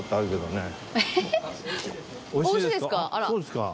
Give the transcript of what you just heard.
美味しいですか？